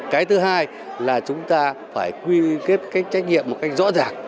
cái thứ hai là chúng ta phải quy kết cái trách nhiệm một cách rõ ràng